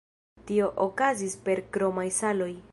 Tio okazis per kromaj saloj.